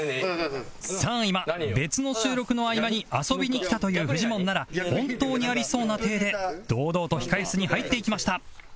さあ今別の収録の合間に遊びに来たというフジモンなら本当にありそうな体で堂々と控室に入っていきました